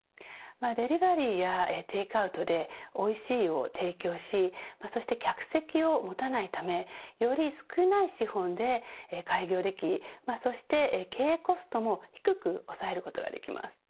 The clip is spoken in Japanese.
デリバリーやテイクアウトでおいしいを提供し客席を持たないためより少ない資本で開業でき、そして経営コストも低く抑えることができます。